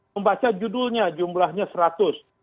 membaca judulnya jumlahnya seratus